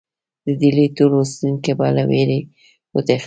د ډهلي ټول اوسېدونکي به له وېرې وتښتي.